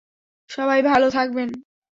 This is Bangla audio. সবাই ভালো থাকবেন।